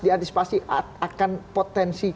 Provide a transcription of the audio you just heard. diantisipasi akan potensi